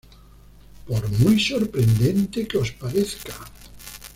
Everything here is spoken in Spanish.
Por muy sorprendente que os parezca